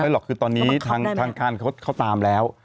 หรอกคือตอนนี้ทางการเขาตามแล้ว